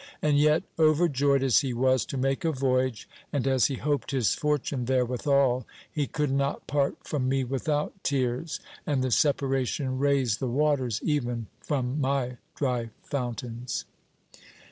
And yet, overjoyed as he was to make a voyage, and as he hoped his fortune therewithal, he could not part from me without tears : and the separation raised the waters even from my dry fountains.